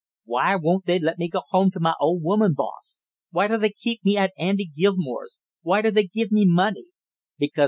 "Why won't they let me go home to my old woman, boss? Why do they keep me at Andy Gilmore's why do they give me money?